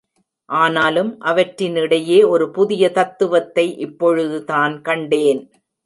ஆனாலும் அவற்றினிடையே ஒரு புதிய தத்துவத்தை இப்பொழுதுதான் கண்டேன்.